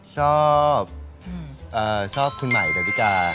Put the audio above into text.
ชอบชอบคุณหมายแบบพี่กา